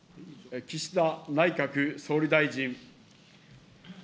岸田内閣総理大臣。